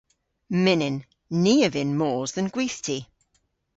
Mynnyn. Ni a vynn mos dhe'n gwithti.